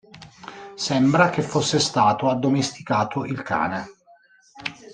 Sembra che fosse stato addomesticato il cane.